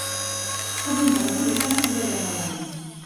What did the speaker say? Saber molt de ballar i ballar malament.